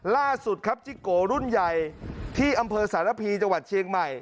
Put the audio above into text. ล่าสุดครับจิโกรุ่นใหญ่ที่อำเภอสารพีจังหวัดเชียงใหม่